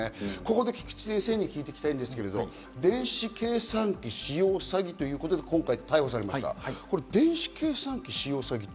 ここで菊地先生に聞いていきたいんですが、電子計算機使用詐欺ということで今回逮捕されました、電子計算機使用詐欺罪。